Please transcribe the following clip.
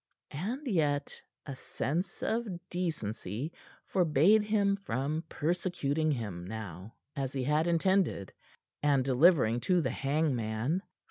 And yet a sense of decency forbade him from persecuting him now, as he had intended, and delivering to the hangman.